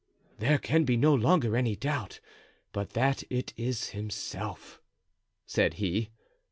"There can be no longer any doubt but that it is himself," said he.